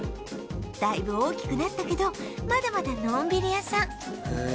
だいぶ大きくなったけどまだまだのんびり屋さん